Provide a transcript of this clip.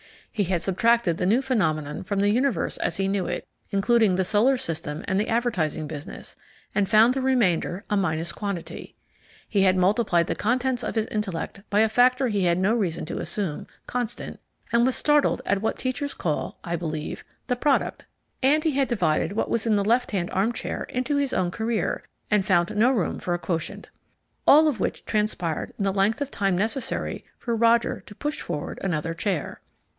He had subtracted the new phenomenon from the universe as he knew it, including the solar system and the advertising business, and found the remainder a minus quantity. He had multiplied the contents of his intellect by a factor he had no reason to assume "constant," and was startled at what teachers call (I believe) the "product." And he had divided what was in the left hand armchair into his own career, and found no room for a quotient. All of which transpired in the length of time necessary for Roger to push forward another chair.